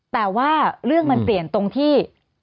แต่ว่าเรื่องมันเปลี่ยนตรงที่